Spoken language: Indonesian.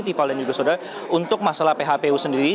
tiva dan juga saudara untuk masalah phpu sendiri